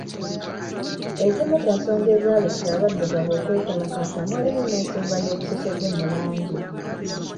Ezimu ku nsonga ezaaleetera abadduggavu okwekalakaasa mwalimu n’ensonga y’obusosoze mu langi.